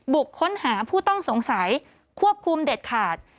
ค้นหาผู้ต้องสงสัยควบคุมเด็ดขาด